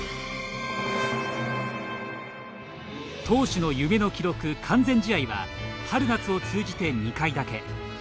投手の夢の記録、完全試合は春・夏を通じて２回だけ。